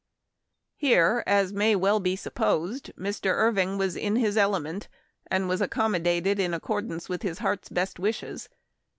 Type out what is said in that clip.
Here, as may well be supposed, Mr. Irving was in his element, and was accommodated in accordance with his heart's best wishes.